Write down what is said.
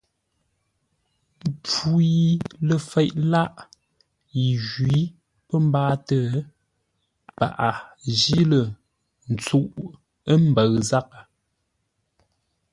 Mpfu yi ləfeʼ lâʼ yi njwǐ pə̌ mbáatə́, paghʼə jí lə́ ntsuʼə́ mbəʉ zághʼə.